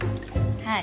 はい。